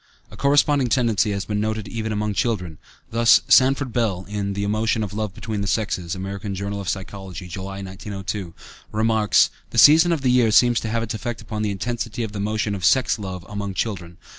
A corresponding tendency has been noted even among children. Thus, Sanford Bell ("The Emotion of Love Between the Sexes," American Journal Psychology, July, 1902) remarks: "The season of the year seems to have its effect upon the intensity of the emotion of sex love among children.